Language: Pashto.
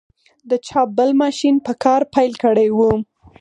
د چاپ بل ماشین په کار پیل کړی و.